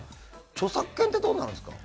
著作権ってどうなるんですか？